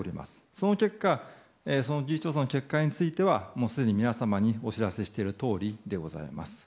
その結果その事実調査の結果についてはすでに皆様にお知らせしているとおりでございます。